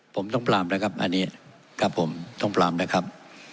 ผมต้องปรามนะครับอันนี้ครับผมต้องปรามนะครับ